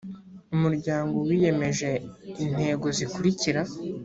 umuryango wiyemeje intego zikurikira